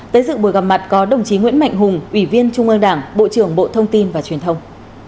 tới dự buổi gặp mặt có đồng chí nguyễn mạnh hùng ủy viên trung ương đảng bộ trưởng bộ thông tin và truyền thông